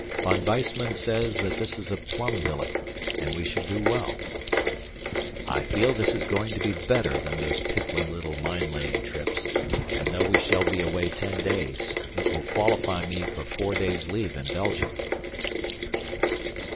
Von Weissman says that this is a plum billet and we should do well. I feel this is going to be better than those piffling little mine laying trips, and though we shall be away ten days, it will qualify me for four days' leave in Belgium.